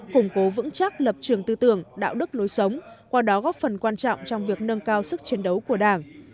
củng cố vững chắc lập trường tư tưởng đạo đức lối sống qua đó góp phần quan trọng trong việc nâng cao sức chiến đấu của đảng